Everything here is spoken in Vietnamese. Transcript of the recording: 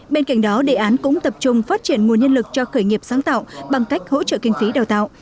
bên cạnh đó đề án cũng tập trung phát triển nguồn nhân lực cho khởi nghiệp sáng tạo bằng cách hỗ trợ kinh phí đào tạo